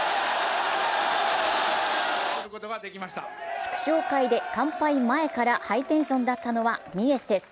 祝勝会で乾杯前からハイテンションだったのはミエセス。